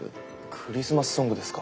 クリスマスソングですか。